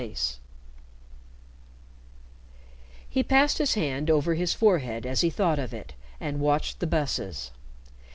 He passed his hand over his forehead as he thought of it and watched the busses.